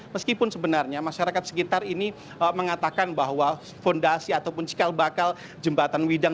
meskipun sebenarnya masyarakat sekitar ini mengatakan bahwa fondasi ataupun cikal bakal jembatan widang